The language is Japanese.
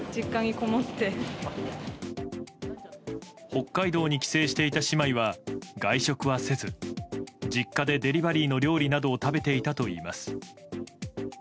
北海道に帰省していた姉妹は外食はせず実家でデリバリーの料理などを食べていたといいます。